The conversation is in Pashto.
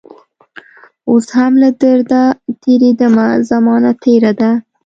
اوس هم له درده تیریدمه زمانه تیره ده